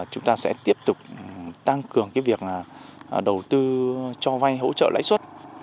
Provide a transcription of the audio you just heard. chúng ta sẽ tiếp tục tăng cường cái việc đầu tư cho vay hỗ trợ lãi suất